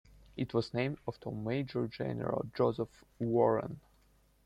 It was named after Major General Joseph Warren.